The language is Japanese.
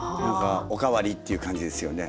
お代わりっていう感じですよね。